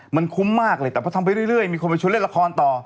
มันคุ้มมากเลยแต่พอทำไปเรื่อยมีคนไปชวนเล่นละครต่อ